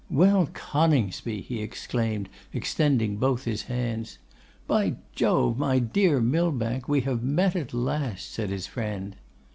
'Well, Coningsby!' he exclaimed, extending both his hands. 'By Jove! my dear Millbank, we have met at last,' said his friend.